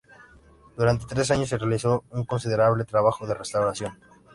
Durante tres años, se realizó un considerable trabajo de restauración.